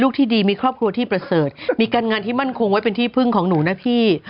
ที่ดีมีครอบครัวที่ประเสริฐมีการงานที่มั่นคงไว้เป็นที่พึ่งของหนูนะพี่